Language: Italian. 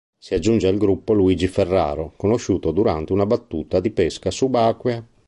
Si aggiunge al gruppo Luigi Ferraro, conosciuto durante una battuta di pesca subacquea.